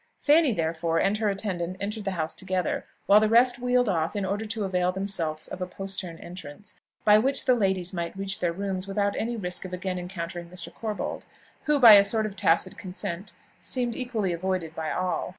Fanny, therefore, and her attendant entered the house together; while the rest wheeled off in order to avail themselves of a postern entrance, by which the ladies might reach their rooms without any risk of again encountering Mr. Corbold, who by a sort of tacit consent seemed equally avoided by all.